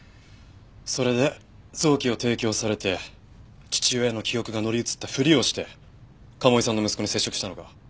それで臓器を提供されて父親の記憶が乗り移ったふりをして賀茂井さんの息子に接触したのか？